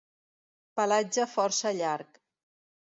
Pelatge força llarg.